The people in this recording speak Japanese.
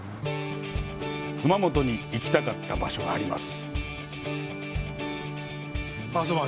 熊本に行きたかった場所があります。